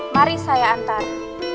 mari saya antar